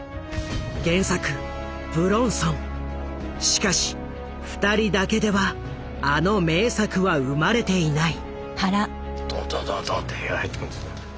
しかし２人だけではあの名作は生まれていない。